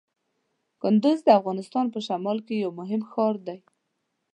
کندز د افغانستان په شمال کې یو مهم ښار دی.